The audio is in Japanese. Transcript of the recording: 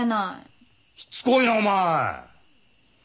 しつこいなお前！